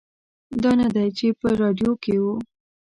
دا نه دی چې په راډیو کې و.